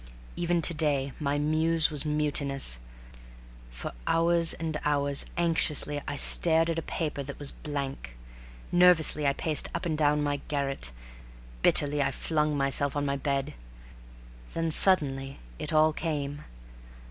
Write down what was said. Even to day my Muse was mutinous. For hours and hours anxiously I stared at a paper that was blank; nervously I paced up and down my garret; bitterly I flung myself on my bed. Then suddenly it all came.